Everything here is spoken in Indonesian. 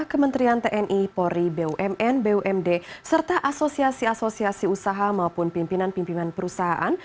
kementerian tni polri bumn bumd serta asosiasi asosiasi usaha maupun pimpinan pimpinan perusahaan